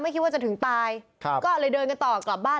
คิดว่าจะถึงตายครับก็เลยเดินกันต่อกลับบ้าน